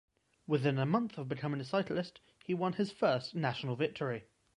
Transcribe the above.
Within a month of becoming a cyclist, he won his first national victory.